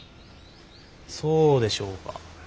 そうでしょうか。